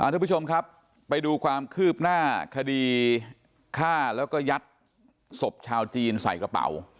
ทุกผู้ชมครับไปดูความคืบหน้าคดีฆ่าแล้วก็ยัดศพชาวจีนใส่กระเป๋า